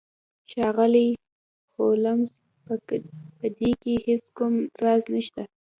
ښاغلی هولمز په دې کې هیڅ کوم راز نشته